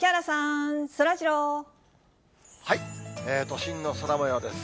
都心の空もようです。